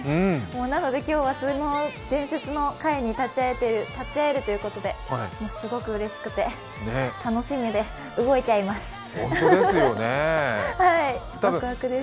なので、今日は伝説の回に立ち会えるということですごくうれしくて、楽しみで、動いちゃいます、ワクワクです。